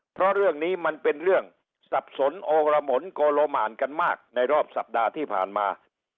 เพราะเรื่องนี้มันเป็นเรื่องสับสนโอละหมนโกโลหมานกันมากในรอบสัปดาห์ที่ผ่านมา